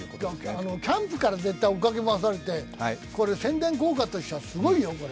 キャンプから絶対追いかけ回されて、宣伝効果としてはすごいよ、これ。